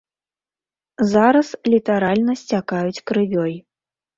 Зараз літаральна сцякаюць крывёй.